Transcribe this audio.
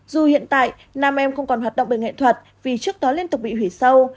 dù hiện tại nam em không còn hoạt động về nghệ thuật vì trước đó liên tục bị hủy sâu